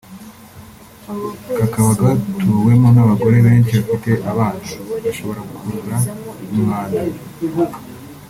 kakaba gatuwemo n’abagore benshi bafite abana (bashobora gukurura umwanda)